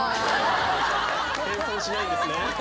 謙遜しないんですね。